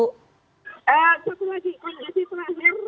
satu lagi kondisi terakhir